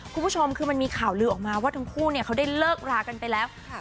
คุณผู้ชมคือมันมีข่าวลือออกมาว่าทั้งคู่เนี่ยเขาได้เลิกรากันไปแล้ว